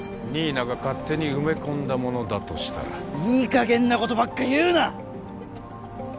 新名が勝手に埋め込んだものだとしたらいい加減なことばっか言うな！